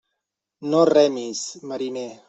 No remis, mariner.